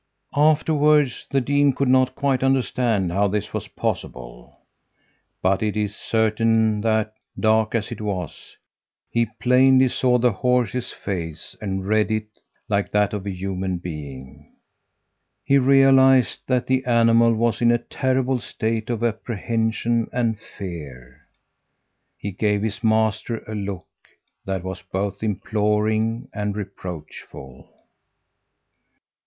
"Afterward the dean could not quite understand how this was possible, but it is certain that, dark as it was, he plainly saw the horse's face and read it like that of a human being. He realized that the animal was in a terrible state of apprehension and fear. He gave his master a look that was both imploring and reproachful.